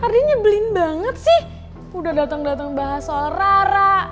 tadi nyebelin banget sih udah datang datang bahas soal rara